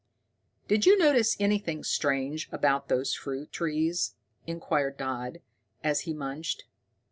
"Did you notice anything strange about those fruit trees?" inquired Dodd, as he munched.